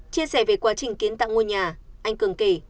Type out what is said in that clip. chia sẻ về quá trình kiến tặng ngôi nhà anh cường kỳ